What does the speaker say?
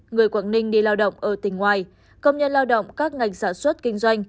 người quảng ninh đi lao động ở tỉnh ngoài công nhân lao động các ngành sản xuất kinh doanh